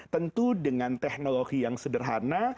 tentu dengan teknologi yang sederhana